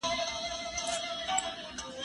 زموږ د ځوانۍ عمر ډير بې خونده و پيکه و